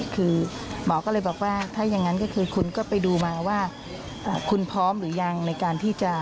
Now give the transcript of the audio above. คุณพร้อมหรือยังในการที่จะทำการ